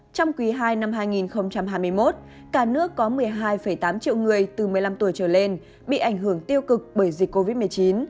trong quý ii năm hai nghìn hai mươi một cả nước có một mươi hai tám triệu người từ một mươi năm tuổi trở lên bị ảnh hưởng tiêu cực bởi dịch covid một mươi chín